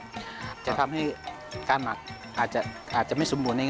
ถ้าเป็นไร้ก้างก็ทำเหมือนกันทำเหมือนกันครับแล้วมันจูดเสียถัง